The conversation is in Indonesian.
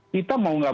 kita mau nggak